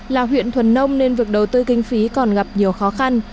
là huyện thuần nông nên việc đầu tư kinh phí còn gặp nhiều khó khăn